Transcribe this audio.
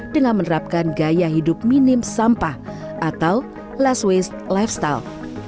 dengan menerapkan gaya hidup minim sampah atau last waste lifestyle